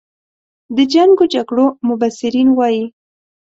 د جنګ و جګړو مبصرین وایي.